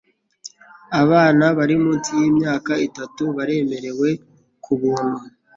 Abana bari munsi yimyaka itatu baremewe kubuntu.